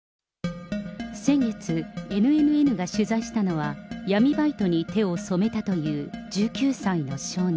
先月、ＮＮＮが取材したのは、闇バイトに手を染めたという１９歳の少年。